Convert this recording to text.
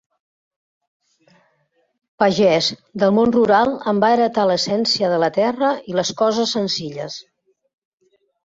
Pagès, del món rural en va heretar l'essència de la terra i les coses senzilles.